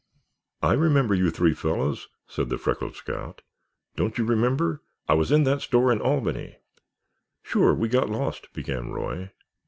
"I remember you three fellows," said the freckled scout. "Don't you remember? I was in that store in Albany——" "Sure, we got lost," began Roy.